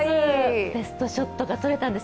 ベストショットが撮れたんです。